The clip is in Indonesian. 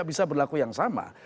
tapi ini tidak bisa berlaku yang sama